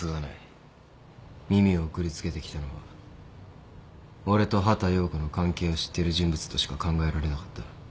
耳を送りつけてきたのは俺と畑葉子の関係を知ってる人物としか考えられなかった。